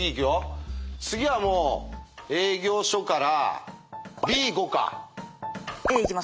次はもう営業所からＡ行く？